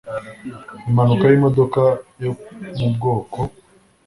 impanuka yimodoka yo mubwoko